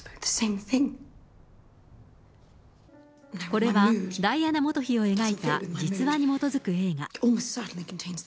これはダイアナ元妃を描いた実話に基づく映画。